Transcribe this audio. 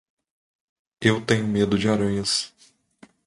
Eu tenho medo de aranhas.